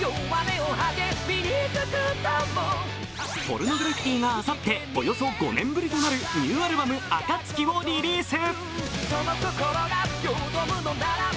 ポルノグラフィティがあさって、およそ５年ぶりとなるニューアルバム「暁」をリリース。